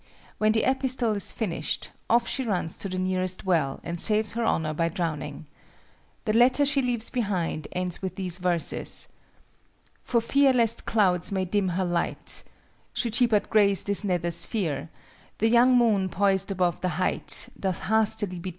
When the epistle is finished, off she runs to the nearest well and saves her honor by drowning. The letter she leaves behind ends with these verses;— "For fear lest clouds may dim her light, Should she but graze this nether sphere, The young moon poised above the height Doth hastily betake to flight."